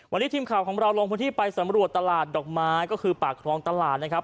วันนี้ทีมข่าวของเราลงพื้นที่ไปสำรวจตลาดดอกไม้ก็คือปากครองตลาดนะครับ